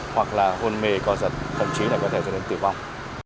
hoặc là hôn mê co giật thậm chí là có thể dẫn đến tử vong